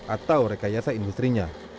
atau rekayasa industri nya